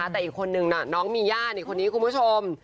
แต่อีกคนนึงน้องมีย่าคนนี้คุณผู้ชม